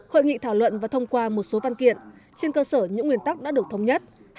hội nghị thảo luận và thông qua một số văn kiện trên cơ sở những nguyên tắc đã được thống nhất